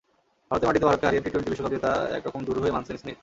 ভারতের মাটিতে ভারতকে হারিয়ে টি-টোয়েন্টি বিশ্বকাপ জেতা একরকম দুরূহই মানছেন স্মিথ।